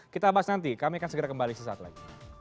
kita bahas nanti kami akan segera kembali sesaat lagi